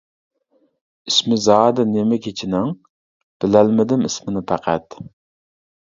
ئىسمى زادى نېمە كېچىنىڭ؟ بىلەلمىدىم ئىسمىنى پەقەت.